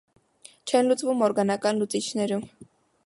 Չեն լուծվում օրգանական լուծիչներում։